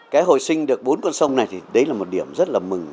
cái hồi sinh được bốn con sông này thì đấy là một điểm rất là mừng